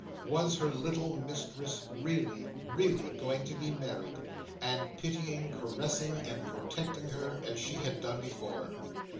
Was her little mistress really, really going to be married, and pitying, caressing, and protecting her, as she had done before.